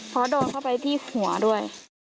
เพราะโดนเข้าไปที่หัวด้วย